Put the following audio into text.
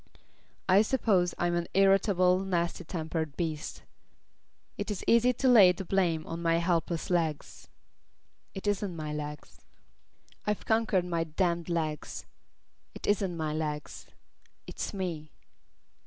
I suppose I'm an irritable, nasty tempered beast. It is easy to lay the blame on my helpless legs. It isn't my legs. I've conquered my damned legs. It isn't my legs. Its ME.